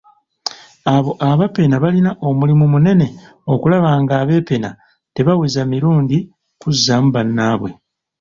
Abo abapena balina omulimu munene okulaba ng'abeepena tebaweza mirundi kuzzaamu bannabwe.